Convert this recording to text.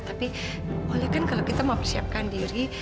tapi boleh kan kalau kita mempersiapkan diri